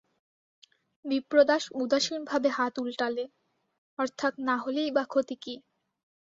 বিপ্রদাস উদাসীন ভাবে হাত ওলটালে, অর্থাৎ না হলেই বা ক্ষতি কী?